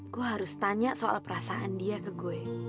gue harus tanya soal perasaan dia ke gue